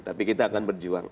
tapi kita akan berjuang